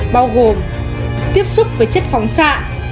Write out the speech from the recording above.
bao gồm tiếp xúc với chất phóng sạ